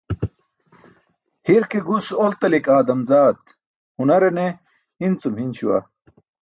Hir ke gus oltik aadam zaat, hunare ne hin cum hin śuwa.